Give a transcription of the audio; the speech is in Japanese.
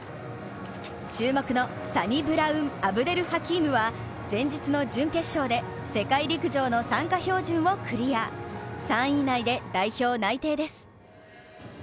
注目のサニブラウン・アブデル・ハキームは前日の準決勝で世界陸上の参加標準をクリア３位以内で代表内定です。